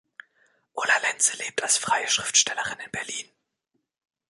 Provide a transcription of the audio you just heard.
Ulla Lenze lebt als freie Schriftstellerin in Berlin.